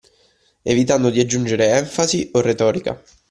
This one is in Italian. Evitando di aggiungere enfasi o retorica.